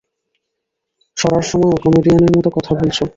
সরার সময়ও কমেডিয়ানের মতো কথা বলছো?